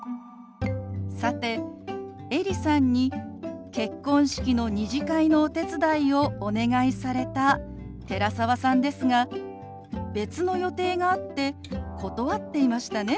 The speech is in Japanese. さてエリさんに結婚式の２次会のお手伝いをお願いされた寺澤さんですが別の予定があって断っていましたね。